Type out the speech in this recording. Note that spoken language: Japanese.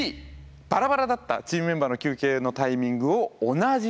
「バラバラだったチームメンバーの休憩のタイミングを同じにした」でした。